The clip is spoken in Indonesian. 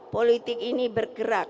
politik ini bergerak